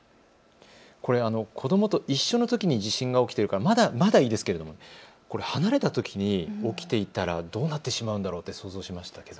これ、子どもと一緒のときに地震が起きているからまだいいですけれども離れているときに起きたらどうなってしまうんだろうと想像しました。